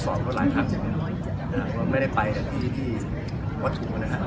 สองฝั่งมันต้องเลือกที่ดีที่สุด